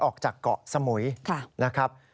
ออกจากเกาะสมุยนะครับ